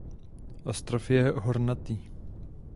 Ostrov je hornatý.